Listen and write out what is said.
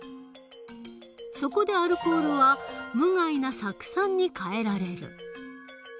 そこでアルコールは無害な酢酸に変えられる。